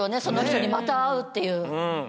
その人にまた会うっていう。